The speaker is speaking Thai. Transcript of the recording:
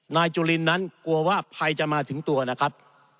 นายจุลินนั้นกลัวว่าภัยจะมาถึงตัวนะครับ